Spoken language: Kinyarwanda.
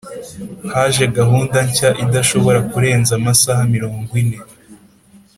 Haje gahunda nshya idashobora kurenza amasaha mirongo ine